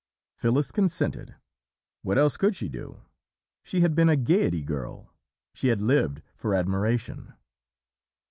"Phyllis consented what else could she do? She had been a Gaiety girl! she had lived for admiration.